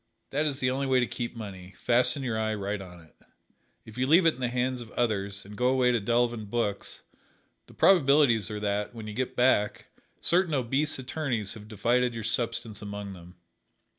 That is the only way to keep money fasten your eye right on it. If you leave it in the hands of others, and go away to delve in books, the probabilities are that, when you get back, certain obese attorneys have divided your substance among them.